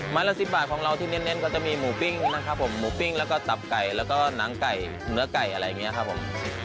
ละ๑๐บาทของเราที่เน้นก็จะมีหมูปิ้งนะครับผมหมูปิ้งแล้วก็ตับไก่แล้วก็หนังไก่เนื้อไก่อะไรอย่างนี้ครับผม